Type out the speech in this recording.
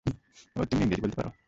ওহ, তুমি ইংরেজি বলতে পারো।